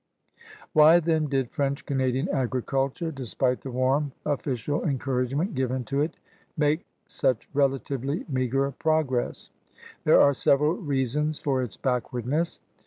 Why, then, did French Canadian agriculture, despite the warm official encouragement given to it, make such relatively meager progress? There are several reasons for its backwardness.